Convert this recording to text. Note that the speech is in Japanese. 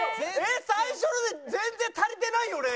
最初ので全然足りてないよね！？